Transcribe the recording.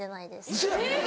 ウソや。